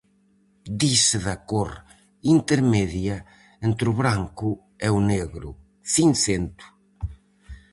Dise da cor intermedia entre o branco e o negro; cincento.